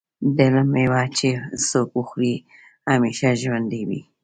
د علم مېوه چې څوک وخوري همیشه ژوندی وي.